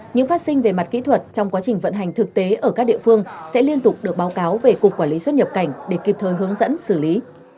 những phát sinh về mặt kỹ thuật trong quá trình vận hành thực tế ở các địa phương sẽ liên tục được báo cáo về cục quản lý xuất nhập cảnh để kịp thời hướng dẫn xử lý